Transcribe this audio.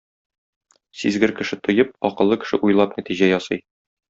Сизгер кеше тоеп, акыллы кеше уйлап нәтиҗә ясый.